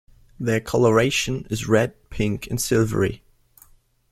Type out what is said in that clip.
Their coloration is red, pink, and silvery.